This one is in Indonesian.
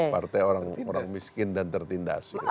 partai orang miskin dan tertindas